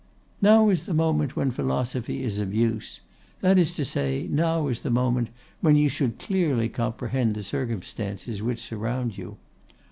'Now is the moment when philosophy is of use; that is to say, now is the moment when you should clearly comprehend the circumstances which surround you.